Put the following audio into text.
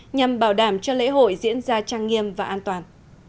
nhằm bảo đảm cho lễ hội diễn ra trang nghiêm và an toàn